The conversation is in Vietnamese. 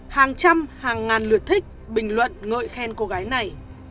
hàng trăm hàng ngàn lượt thích bình luận ngợi khen cô gái này